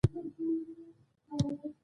توپیر درلود.